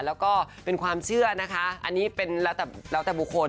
แล้วก็เป็นความเชื่อนะคะอันนี้เป็นแล้วแต่บุคคล